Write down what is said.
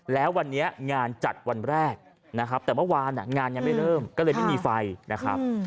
แล้ววันนี้งานจัดวันแรกนะครับแต่เมื่อวานงานยังไม่เริ่มก็เลยไม่มีไฟนะครับ